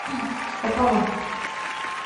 Opava.